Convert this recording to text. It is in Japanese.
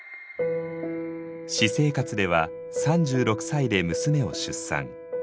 私生活では３６歳で娘を出産。